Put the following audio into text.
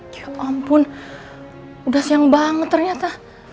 tiap ampun udah siang banget ternyata